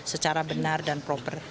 secara benar dan proper